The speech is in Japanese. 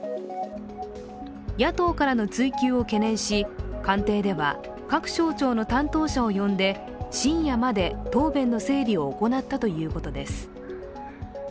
野党からの追及を懸念し、官邸では各省庁の担当者を呼んで、深夜まで答弁の整理を行ったということです。